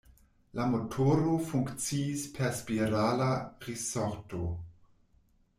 La motoro funkciis per spirala risorto.